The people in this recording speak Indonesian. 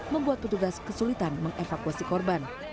membuat petugas kesulitan mengevakuasi korban